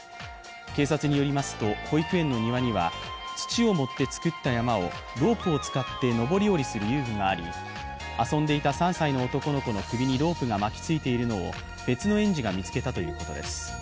警察によりますと保育園の庭には土を盛って造った山をロープを使って上り下りする遊具があり、遊んでいた３歳の男の子の首にロープが巻きついているのを別の園児が見つけたということです。